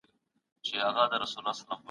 څېړونکی باید د خلکو له قضاوت څخه ونه وېریږي.